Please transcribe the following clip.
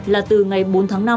là từ ngày bốn tháng năm